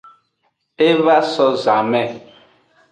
E va so zanme.